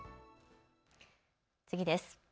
次です。